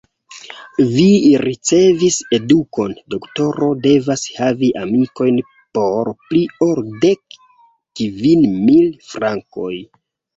Vi ricevis edukon: doktoro devas havi amikojn por pli ol dek kvin mil frankoj.